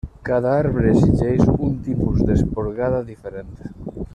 Cada arbre exigeix un tipus d'esporgada diferent.